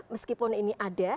meskipun ini ada